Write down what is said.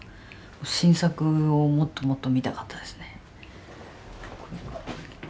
新作をもっともっと見たかったですね。